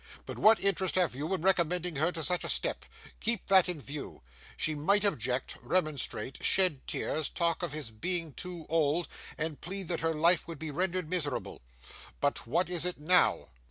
But what interest have you in recommending her to such a step? Keep that in view. She might object, remonstrate, shed tears, talk of his being too old, and plead that her life would be rendered miserable. But what is it now?